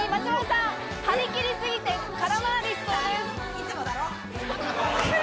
いつもだろ！